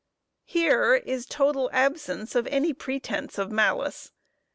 Here is a total absence of any pretence of malice.